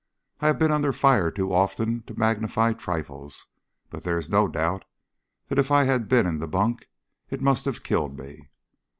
I have been under fire too often to magnify trifles, but there is no doubt that if I had been in the bunk it must have killed me.